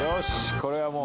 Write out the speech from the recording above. これはもう」